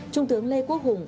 trung tướng lê quốc hùng